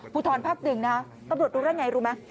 ผู้ท้อนพักดึงนะตำรวจรู้ได้ยังไงรู้ไหม